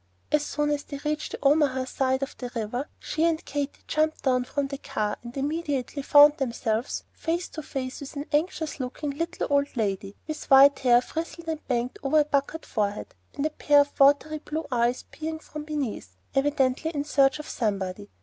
As soon as they reached the Omaha side of the river, she and Katy jumped down from the car, and immediately found themselves face to face with an anxious looking little old lady, with white hair frizzled and banged over a puckered forehead, and a pair of watery blue eyes peering from beneath, evidently in search of somebody.